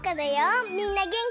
みんなげんき？